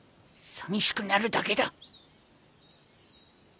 さみしくなるだけだ